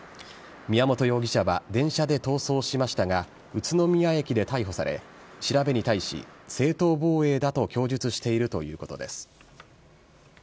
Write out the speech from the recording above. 宮本容疑者は電車で逃走しましたが宇都宮駅で逮捕され、調べに対し、正当防衛だと供述しているということです。